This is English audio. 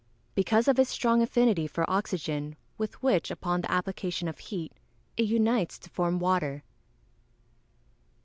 _ Because of its strong affinity for oxygen, with which, upon the application of heat, it unites to form water.